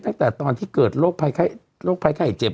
ตั้งแต่ตอนที่เกิดโรคภัยไข้เจ็บ